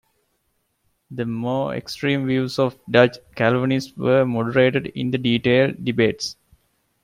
The more extreme views of Dutch Calvinists were moderated in the detailed debates.